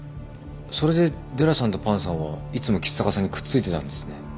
それでデラさんとパンさんはいつも橘高さんにくっついてたんですね。